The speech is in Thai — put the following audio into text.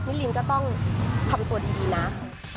ลิงก็ต้องทำตัวดีนะ